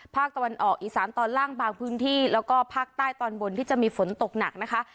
ภาคตะวันออกอีสานตอนล่างบางพื้นที่แล้วก็ภาคใต้ตอนบนที่จะมีฝนตกหนักนะคะ